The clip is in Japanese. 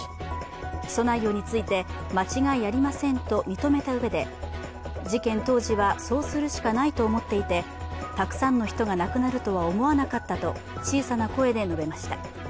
起訴内容について、間違いありませんと認めたうえで事件当時はそうするしかないと思っていて、たくさんの人が亡くなるとは思わなかったと小さな声で述べました。